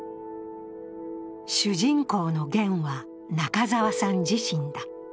主人公のゲンは中沢さん自身だ。